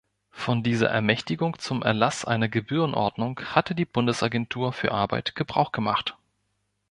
Von dieser Ermächtigung zum Erlass einer Gebührenordnung hatte die Bundesagentur für Arbeit Gebrauch gemacht.